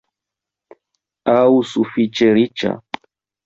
aŭ sufiĉe riĉa?